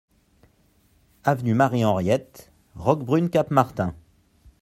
Avenue Marie Henriette, Roquebrune-Cap-Martin